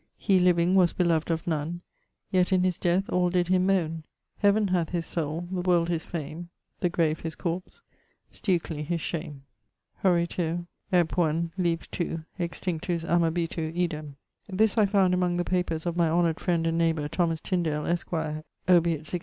Hee living was belov'd of none, Yet in his death all did him moane[LXXV.]. Heaven hath his soule, the world his fame, The grave his corps, Stukley his shame. [LXXV.] Horat. ep. 1, lib. 2: Extinctus amabitur idem. This I found among the papers of my honoured friend and neighbour Thomas Tyndale, esq., obiit